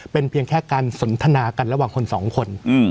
เป็นเพียงแค่การสนทนากันระหว่างคนสองคน